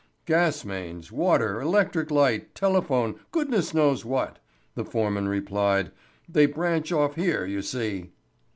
"Gas mains, water, electric light, telephone, goodness knows what," the foreman replied. "They branch off here, you see."